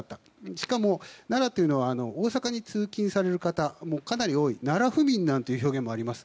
しかも奈良というのは大阪に通勤される方もかなり多い奈良府民なんて表現もあります。